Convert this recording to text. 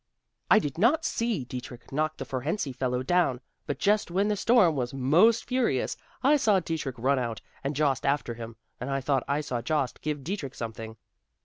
I did not see Dietrich knock the Fohrensee fellow down, but just when the storm was most furious, I saw Dietrich run out, and Jost after him, and I thought I saw Jost give Dietrich something.